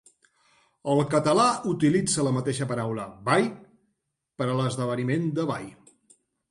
El català utilitza la mateixa paraula, "ball", per a l'esdeveniment de ball.